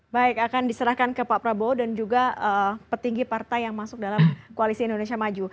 baik akan diserahkan ke pak prabowo dan juga petinggi partai yang masuk dalam koalisi indonesia maju